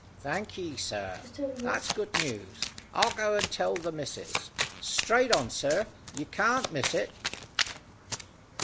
"Thank ye, sir; that's good news. I'll go and tell the missus. Straight on, sir; you can't miss it."